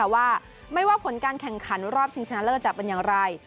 ว่าไม่ว่าผลการแข่งขันรอบชิงชนะเลิศจะเป็นอย่างไร